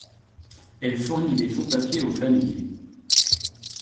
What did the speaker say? Elle fournit des faux-papiers aux familles.